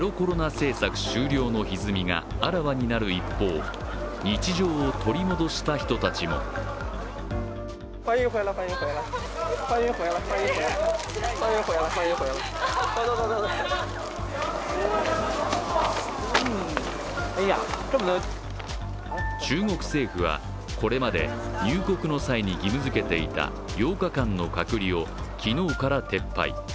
政策終了のひずみがあらわになる一方日常を取り戻した人たちも中国政府は、これまで入国の際に義務づけていた８日間の隔離を昨日から撤廃。